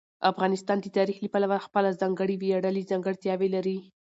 افغانستان د تاریخ له پلوه خپله ځانګړې ویاړلې ځانګړتیاوې لري.